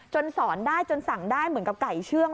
สอนได้จนสั่งได้เหมือนกับไก่เชื่อง